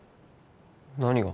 何が？